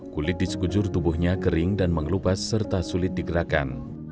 kulit disekujur tubuhnya kering dan mengelupas serta sulit digerakan